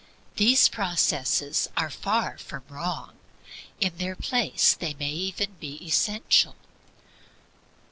These processes are far from wrong; in their place they may even be essential.